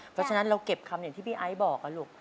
เพราะฉะนั้นเราเก็บคำอย่างที่พี่ไอซ์บอกลูก